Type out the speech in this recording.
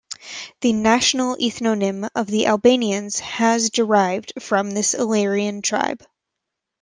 The national ethnonym of the Albanians has derived from this illyrian tribe.